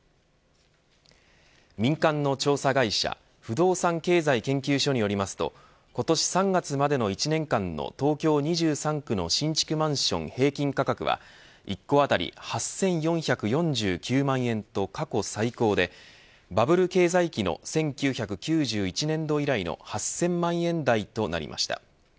民間の調査会社不動産経済研究所によりますと今年３月までの１年間の東京２３区の新築マンション平均価格は一戸あたり８４４９万円と過去最高でバブル経済期の１９９１年度以来の８０００万円台となりました。